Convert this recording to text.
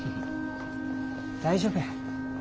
大丈夫や。